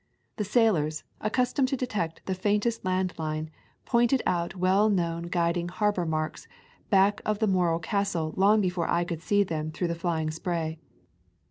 The sailors, accustomed to detect the faintest land line, pointed out well known guiding harbor marks back of the Morro Castle long before I could see them through the flying spray.